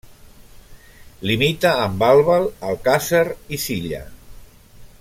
Limita amb Albal, Alcàsser i Silla.